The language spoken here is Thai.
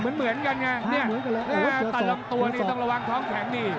เหมือนกันไงเนี่ยโอ้โหตัดลำตัวนี่ต้องระวังท้องแข็งนี่